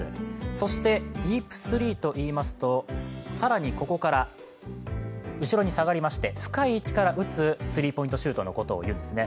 そしてディープスリーといいますと、更にここから後ろに下がりまして、深い位置から打つスリーポイントシュートのことを言うんですね。